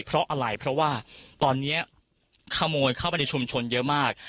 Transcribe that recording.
เพราะอะไรเพราะว่าตอนนี้ขโมยเข้าไปในชุมชนเยอะมาก